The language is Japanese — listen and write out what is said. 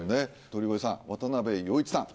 鳥越さん渡部陽一さん。